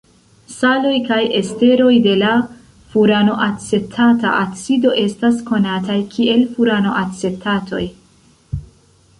Saloj kaj esteroj de la furanoacetata acido estas konataj kiel furanoacetatoj.